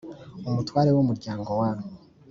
Umutware w umuryango wa